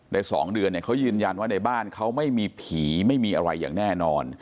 ๒เดือนเขายืนยันว่าในบ้านเขาไม่มีผีไม่มีอะไรอย่างแน่นอน